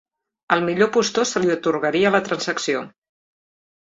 Al millor postor se li atorgaria la transacció.